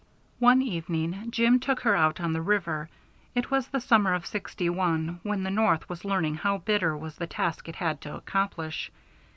One evening Jim took her out on the river. It was the summer of '61, when the North was learning how bitter was the task it had to accomplish.